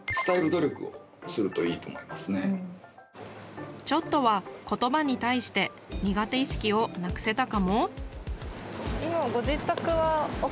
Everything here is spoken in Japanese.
その上でちょっとは言葉に対して苦手意識をなくせたかも？